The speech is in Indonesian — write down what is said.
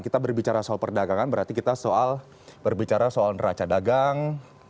kita berbicara soal perdagangan berarti kita soal berbicara soal neraca dagang